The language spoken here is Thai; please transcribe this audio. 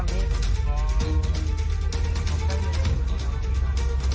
อย่างงี้อย่างงี้อย่างงี้อย่างงี้